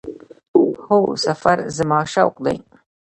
هو، سفر زما شوق دی